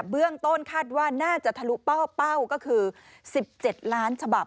เบื้องต้นคาดว่าน่าจะทะลุเป้าก็คือ๑๗ล้านฉบับ